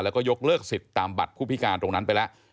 แล้วก็ยกเลิกสิทธิ์ตามบัตรผู้พิการตรงนั้นไปแล้ว